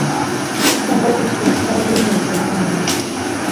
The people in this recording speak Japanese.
たくさんバイトをして、働いているのにお金がたまらない。